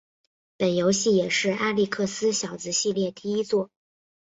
本游戏也是阿历克斯小子系列第一作。